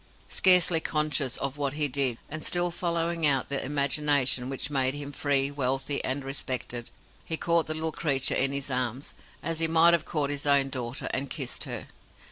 Scarcely conscious of what he did, and still following out the imagining which made him free, wealthy, and respected, he caught the little creature in his arms as he might have caught his own daughter and kissed her.